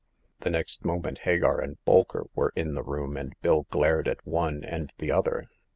The next moment Hagar and Bolker were in the room, and Bill glared at one and the other.